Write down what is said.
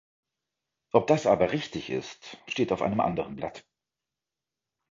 Ob das aber richtig ist, steht auf einem anderen Blatt.